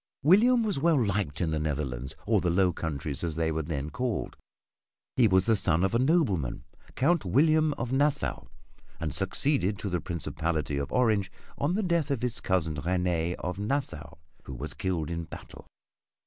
William was well liked in the Netherlands or the "Low Countries" as they were then called. He was the son of a nobleman, Count William of Nassau, and succeeded to the principality of Orange on the death of his cousin Réné of Nassau who was killed in battle.